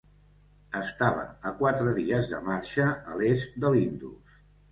Estava a quatre dies de marxa a l'est de l'Indus.